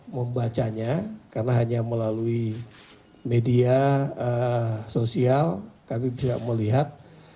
membacanya karena hanya melalui media sosial kami bisa melihat